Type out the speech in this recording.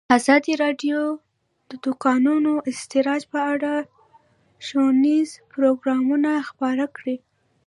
ازادي راډیو د د کانونو استخراج په اړه ښوونیز پروګرامونه خپاره کړي.